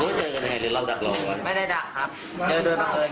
เจอกันยังไงหรือเราดักหลอกกันไม่ได้ดักครับเจอโดยบังเอิญ